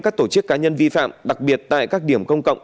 các tổ chức cá nhân vi phạm đặc biệt tại các điểm công cộng